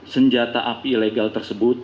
senjata api ilegal tersebut